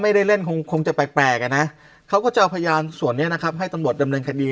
ไม่ได้เล่นคงจะแปลกนะเขาก็จะเอาพยานส่วนนี้นะครับให้ตรงบทดำเนินคดี